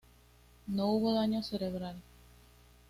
No hubo daño cerebral.